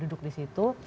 duduk di situ